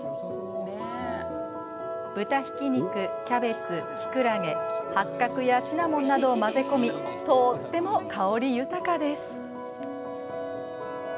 豚ひき肉、キャベツ、きくらげ八角やシナモンなどを混ぜ込みとっても香り豊かです。